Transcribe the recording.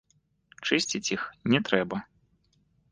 Чысціць іх не трэба.